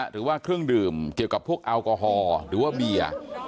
หรือว่าเครื่องดื่มเกี่ยวกับพวกแอลกอฮอล์หรือว่าเบียร์